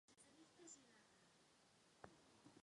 V Itálii před druhou světovou válkou nastupuje k moci fašismus.